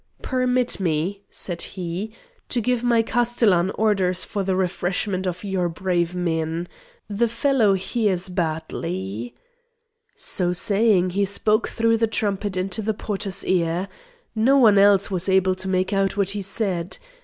"Permit me," said he, "to give my castellan orders for the refreshment of your brave men. The fellow hears badly." So saying he spoke through the trumpet into the porter's ear. No one else was able to make out what he said.